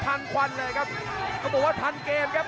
ต้องบอกว่าคนที่จะโชคกับคุณพลน้อยสภาพร่างกายมาต้องเกินร้อยครับ